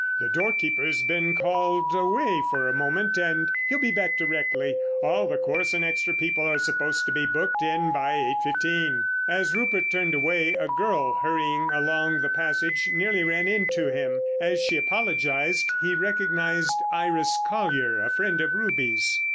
"The doorkeeper's been called away for a moment, but he'll be back directly. All the chorus and extra people are supposed to be booked in by eight fifteen." As Rupert turned away a girl hurrying along the passage nearly ran into him. As she apologised he recognised Iris Colyer, a friend of Ruby's.